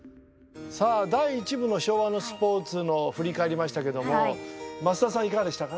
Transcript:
さあ第１部の昭和のスポーツ振り返りましたけども増田さんいかがでしたか？